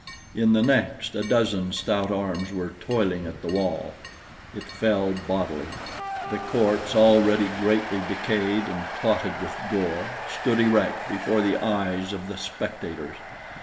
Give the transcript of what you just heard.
In the next, a dozen stout arms were toiling at the wall. It fell bodily. The corpse, already greatly decayed and clotted with gore, stood erect before the eyes of the spectators.